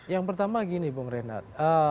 yang pertama gini bung renat